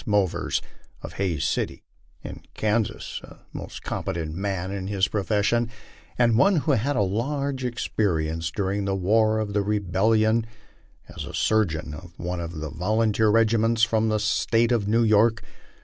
Movers, of Hays City, Kansas, a most competent man in his profession, and one who had had a large experience during the war of the rebellion as surgeon of one of the volunteer regiments from the State of New York.